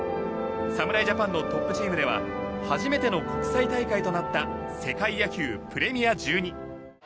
侍ジャパンのトップチームでは初めての国際大会となった世界野球プレミア１２。